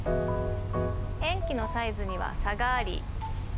塩基のサイズには差がありＡ